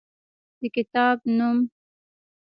د کتاب نوم: